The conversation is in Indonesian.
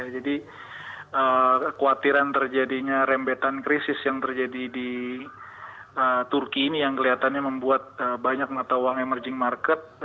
jadi kekhawatiran terjadinya rembetan krisis yang terjadi di turki ini yang kelihatannya membuat banyak mata uang emerging market